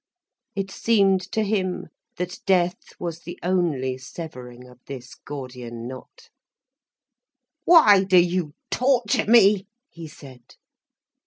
It seemed to him that death was the only severing of this Gordian knot. "Why do you torture me?" he said.